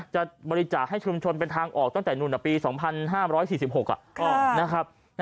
จะบริจาคให้ชุมชนเป็นทางออกตั้งแต่นู่นปี๒๕๔๖นะครับ